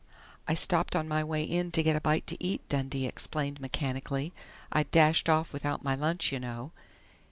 "I stopped on my way in to get a bite to eat," Dundee explained mechanically. "I'd dashed off without my lunch, you know."